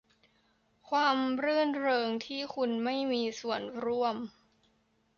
ความรื่นเริงที่คุณไม่มีส่วนร่วม